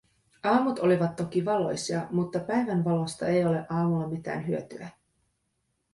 Aamut olivat toki valoisia, mutta päivänvalosta ei ole aamulla mitään hyötyä.